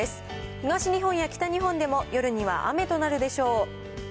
東日本や北日本でも、夜には雨となるでしょう。